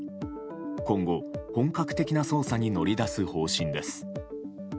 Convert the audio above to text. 今後、本格的な捜査に乗り出す方針です。